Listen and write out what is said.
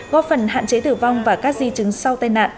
góp phần hạn chế tử vong và các di chứng sau tai nạn